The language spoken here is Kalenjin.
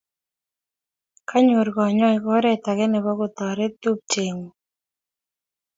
Konyoor kanyoiik oret age nebo kotoret tupcheng'ung'.